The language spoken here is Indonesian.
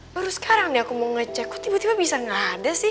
baru sekarang nih aku mau ngecek kok tiba tiba bisa nggak ada sih